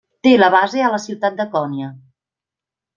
Té la base a la ciutat de Konya.